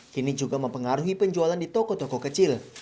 kini juga mempengaruhi penjualan di toko toko kecil